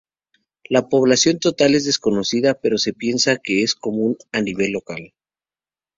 La población total es desconocida, pero se piensa que es común a nivel local.